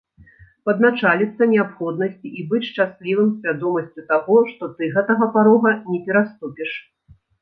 Падначаліцца неабходнасці і быць шчаслівым свядомасцю таго, што ты гэтага парога не пераступіш?